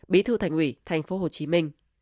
bí thư thành ủy tp hcm